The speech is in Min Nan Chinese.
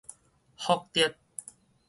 覆轍